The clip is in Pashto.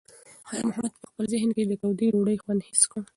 خیر محمد په خپل ذهن کې د تودې ډوډۍ خوند حس کړ.